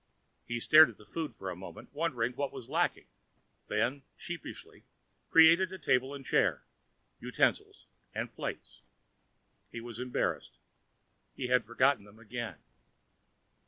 He stared at the food for a moment, wondering what was lacking; then, sheepishly, created a table and chair, utensils and plates. He was embarrassed. He had forgotten them again.